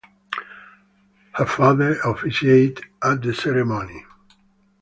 Her father officiated at the ceremony.